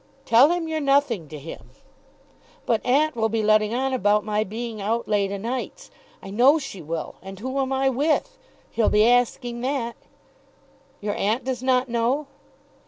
"Tell him you're nothing to him." "But aunt will be letting on about my being out late o'nights; I know she will. And who am I with? He'll be asking that." "Your aunt does not know?"